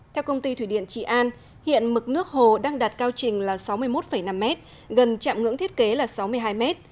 theo công ty thủy điện trị an hiện mực nước hồ đang đạt cao trình là sáu mươi một năm mét gần chạm ngưỡng thiết kế là sáu mươi hai m